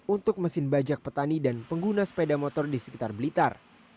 untuk mesin bajak petani dan pengguna sepeda motor di sekitar blitar